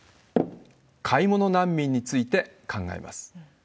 買い物難民について考えます。